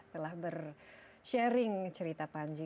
telah ber sharing cerita panji